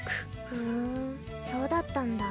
ふんそうだったんだ。